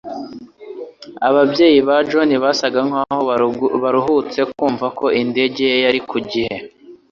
Ababyeyi ba John basaga nkaho baruhutse kumva ko indege ye yari ku gihe